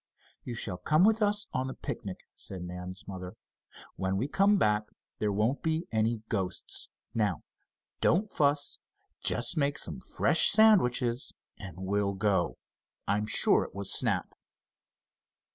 "You shall come with us on the picnic," said Nan's mother. "When we come back, there won't be any ghost. Now don't fuss. Just make some fresh sandwiches, and we'll go. I'm sure it was Snap."